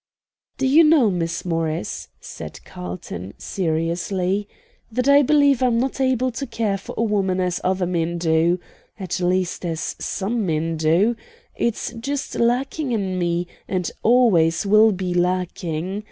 "Do you know, Miss Morris," said Carlton, seriously, "that I believe I'm not able to care for a woman as other men do at least as some men do; it's just lacking in me, and always will be lacking.